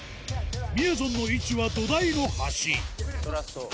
みやぞんの位置は土台の端つらそう。